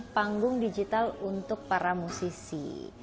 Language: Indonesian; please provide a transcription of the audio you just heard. panggung digital untuk para musisi